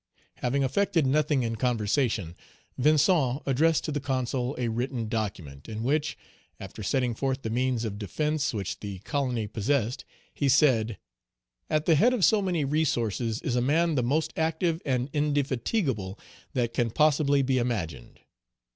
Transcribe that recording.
Having effected nothing in conversation, Vincent addressed to the Consul a written document, in which, after setting forth the means of defence which the colony possessed, he said, "At the head of so many resources is a man the most active and indefatigable Page 153 that can possibly be imagined.